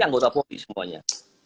anggota pofi semuanya